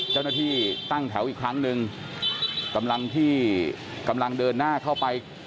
เจ้าหน้าที่ตั้งแถวอีกครั้งหนึ่งกำลังที่กำลังเดินหน้าเข้าไป